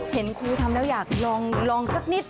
เห็นครูทำแล้วอยากลองสักนิด